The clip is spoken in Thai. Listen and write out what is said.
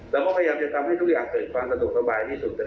เราก็พยายามจะทำให้ทุกอย่างเกิดความสะดวกสบายที่สุด